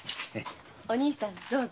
お兄さんどうぞ。